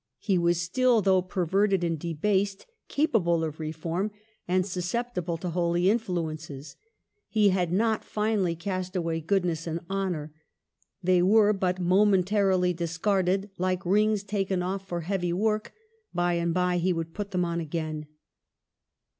He was still, though perverted and debased, capable of reform, and susceptible to holy influ ences. He had not finally cast away goodness and honor ; they were but momentarily discarded, like rings taken off for heavy work ; by and by he would put them on again.